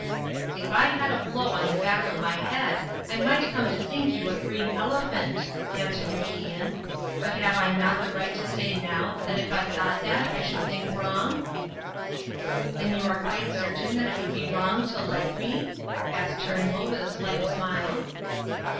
"If I had a blow on the back of my head, I might come to think you a green elephant," answered MacIan, "but have I not the right to say now, that if I thought that I should think wrong?" "Then you are quite certain that it would be wrong to like me?" asked Turnbull, with a slight smile.